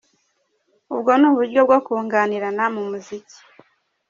ubwo ni uburyo bwo kunganirana mu muziki.